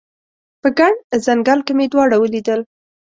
په ګڼ ځنګل کې مې دواړه ولیدل